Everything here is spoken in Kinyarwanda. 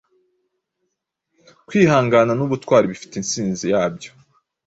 Kwihangana n’ubutwari bifite insinzi yabyo